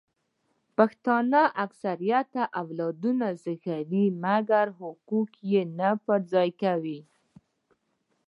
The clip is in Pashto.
پښتانه اکثریت اولادونه زیږوي مګر حقوق یې نه پر ځای کوي